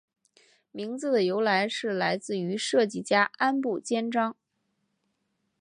名字的由来是来自于设计家安部兼章。